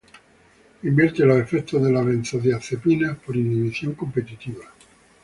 Invierte los efectos de las benzodiazepinas por inhibición competitiva.